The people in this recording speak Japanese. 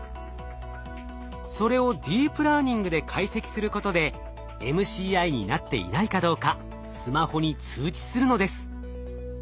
それをディープラーニングで解析することでＭＣＩになっていないかどうかスマホに通知するのです。